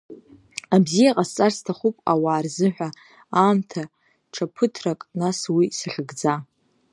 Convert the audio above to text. Абзиа ҟасҵар сҭахуп ауаа рзыҳәа, аамҭа, ҽа ԥыҭрак, нас, уи сахьыгӡа!